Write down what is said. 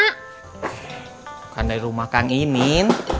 bukan dari rumah kang ini